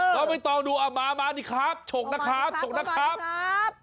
เราไม่ต้องดูเอามานี่ครับฉกนะครับนะครับ